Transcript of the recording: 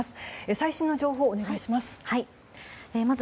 最新の情報をお願いします。